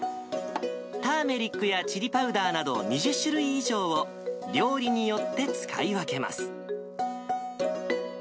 ターメリックやチリパウダーなど、２０種類以上を料理によって使い分けます。